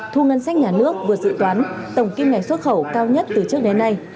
thu ngân sách nhà nước vượt dự toán tổng kim ngành xuất khẩu cao nhất từ trước đến nay